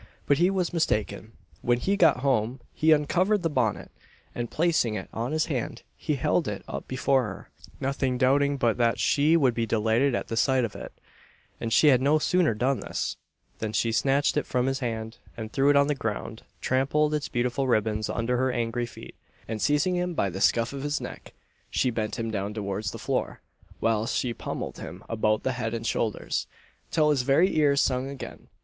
But he was mistaken. When he got home, he uncovered the bonnet, and, placing it on his hand, he held it up before her, nothing doubting but that she would be delighted at the sight of it; and he had no sooner done this, than she snatched it from his hand, and threw it on the ground, trampled its beautiful ribbons under her angry feet; and, seizing him by the scuff of his neck she bent him down towards the floor, whilst she pummelled him about the head and shoulders, till his very ears sung again.